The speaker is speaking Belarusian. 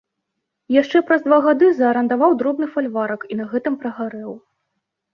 Яшчэ праз два гады заарандаваў дробны фальварак і на гэтым прагарэў.